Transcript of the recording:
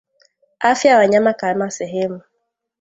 afya ya wanyama kama sehemu